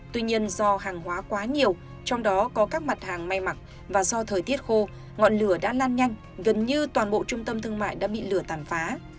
tuy nhiên do hàng hóa quá nhiều trong đó có các mặt hàng may mặc và do thời tiết khô ngọn lửa đã lan nhanh gần như toàn bộ trung tâm thương mại đã bị lửa tàn phá